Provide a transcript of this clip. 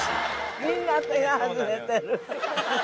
みんな当てが外れてる。